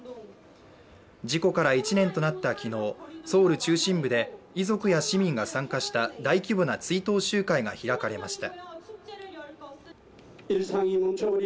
事故から１年となった昨日ソウル中心部で遺族や市民が参加した大規模な追悼集会が開かれました。